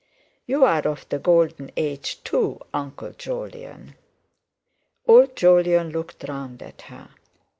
"You're of the Golden Age, too, Uncle Jolyon." Old Jolyon looked round at her.